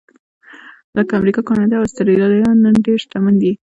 لکه امریکا، کاناډا او اسټرالیا نن ډېر شتمن دي.